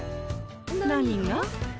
何が？